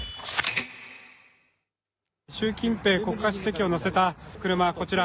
習近平国家主席を乗せた車、こちら